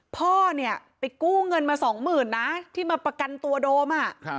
พ่อเนี่ยไปกู้เงินมาสองหมื่นนะที่มาประกันตัวโดม